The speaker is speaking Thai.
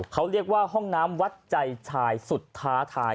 เขาเรียกว่าห้องน้ำวัดใจชายสุดท้าทาย